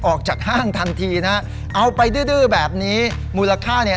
ออกจากห้างทันทีนะฮะเอาไปดื้อดื้อแบบนี้มูลค่าเนี่ย